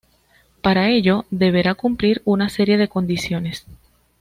Para ello deberá cumplir una serie de condiciones.